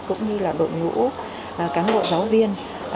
cũng như là đội ngũ các ngộ giáo viên